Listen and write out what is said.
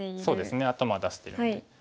そうですね頭出してるんで。